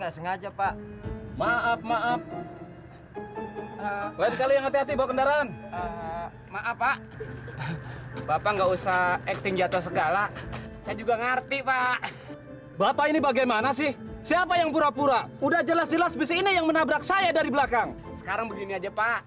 sampai jumpa di video selanjutnya